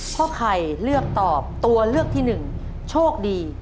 เพราะใครเลือกตอบตัวเลือกที่๑โชคดี